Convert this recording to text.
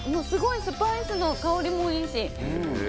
すごいスパイスの香りもいいし。